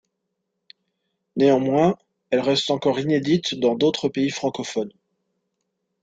Néanmoins, elle reste encore inédite dans d'autres pays francophones.